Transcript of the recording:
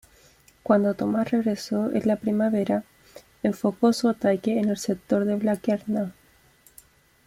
Cuando Tomás regresó en la primavera, enfocó su ataque en el sector de Blanquerna.